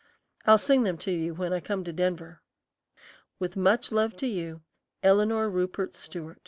I'll sing them to you when I come to Denver. With much love to you, ELINORE RUPERT STEWART.